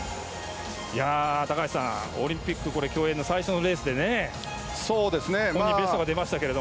高橋さん、オリンピック競泳の最初のレースでベストが出ましたけど。